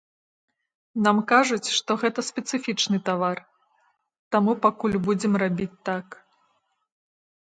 Нам кажуць, што гэта спецыфічны тавар, таму пакуль будзем рабіць так.